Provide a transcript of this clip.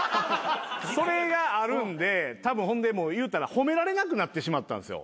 それがあるんでたぶんほんでいうたら褒められなくなってしまったんですよ。